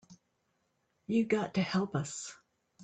You got to help us.